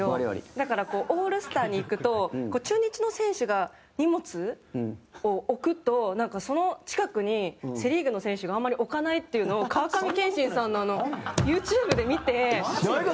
だから、オールスターに行くと中日の選手が荷物を置くとその近くにセ・リーグの選手があんまり置かないっていうのを川上憲伸さんのユーチューブで見て。